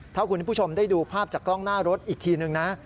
ถ้าคุณผู้ชมได้ดูภาพจากกล้องหน้ารถอีกทีนึงนะ